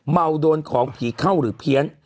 เมาโดนของผีเข้าหรือเพี้ยน